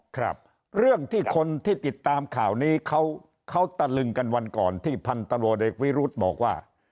ครับเรื่องที่คนที่ติดตามข่าวนี้เขาตะลึงกันวันก่อนที่พันตำรวจเอกวิรุธบอกว่า